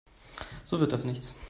So wird das nichts.